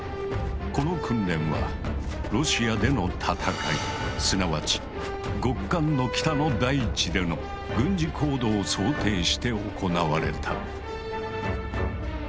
この訓練はロシアでの戦いすなわち極寒の北の大地での軍事行動を想定して行われた。